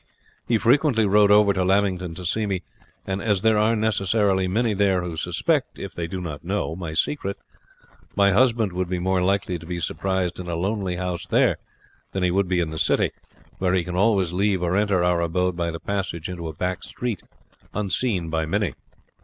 He frequently rode over to Lamington to see me, and as there are necessarily many there who suspect, if they do not know, my secret, my husband would be more likely to be surprised in a lonely house there, than he would be in the city, where he can always leave or enter our abode by the passage into a back street unseen by any."